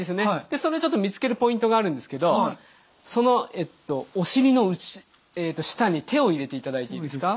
それちょっと見つけるポイントがあるんですけどお尻の下に手を入れていただいていいですか。